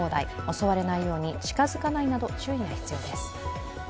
襲われないように近づかないなど注意が必要です。